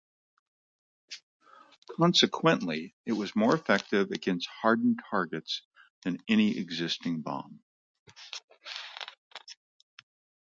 Consequently, it was more effective against hardened targets than any existing bomb.